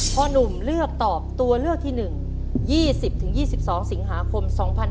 พอนุ่มตัวเลือกที่๑๒๐๒๒สิงหาคม๒๕๕๙